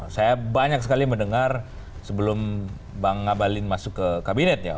saya banyak sekali mendengar sebelum bang ngabalin masuk ke kabinet ya